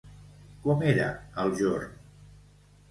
Com era el jorn?